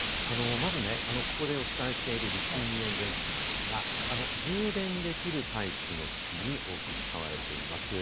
まずここでお伝えしているリチウムイオン電池なんですが、充電できるタイプの機器に多く使われています。